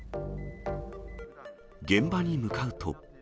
現場に向かうと。